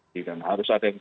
dikatakan harus ada yang